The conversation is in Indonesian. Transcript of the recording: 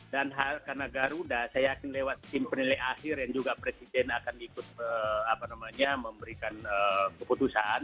dan karena garuda saya yakin lewat tim penilai akhir yang juga presiden akan ikut apa namanya memberikan keputusan